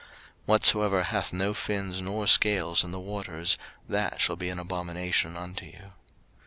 03:011:012 Whatsoever hath no fins nor scales in the waters, that shall be an abomination unto you.